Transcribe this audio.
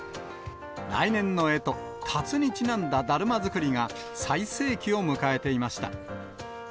来年のえと、たつにちなんだだるま作りが、最盛期を迎えていました。